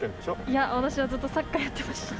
いや私はずっとサッカーやってました。